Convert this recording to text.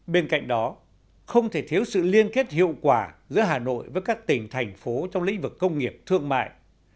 bên cạnh đó không thể thiếu sự liên kết hiệu quả giữa hà nội với các tỉnh thành phố trong lĩnh vực công nghiệp thương mại